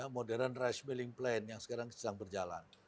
modern rice milling plan yang sekarang sedang berjalan